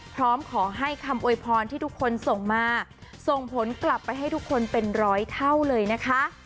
พร้อมขอให้คำโวยพรที่ทุกคนส่งมาส่งผลกลับไปให้ทุกคนเป็นร้อยเท่าเลยนะคะ